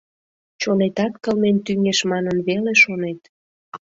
Чонетат кылмен тӱҥеш манын веле шонет.